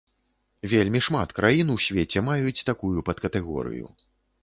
Вельмі шмат краін у свеце маюць такую падкатэгорыю.